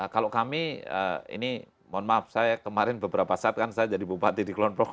kalau kami ini mohon maaf saya kemarin beberapa saat kan saya jadi bupati di kulon progo